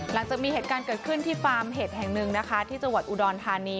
หลังจากมีเหตุการณ์เกิดขึ้นที่ฟาร์มเห็ดแห่งหนึ่งนะคะที่จังหวัดอุดรธานี